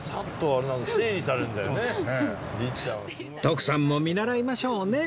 徳さんも見習いましょうね